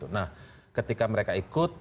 nah ketika mereka ikut